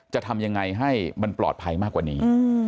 จะทำยังไงให้มันปลอดภัยมากกว่านี้